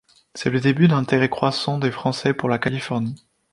C’est le début d’un intérêt croissant des Français pour la Californie.